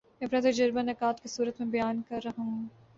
میں اپنا تجزیہ نکات کی صورت میں بیان کر رہا ہوں۔